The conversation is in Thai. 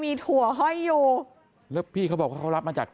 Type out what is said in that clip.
ใครจะไปรู้เลยพี่อุ๋ยเขาบอกไม่รู้ว่าเขาผลิตยังไง